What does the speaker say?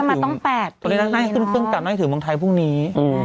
น่าจะถึงน่าจะถึงน่าจะถึงเมืองไทยพรุ่งนี้